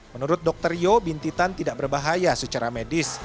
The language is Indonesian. menurut dokter yo bintitan tidak berbahaya secara medis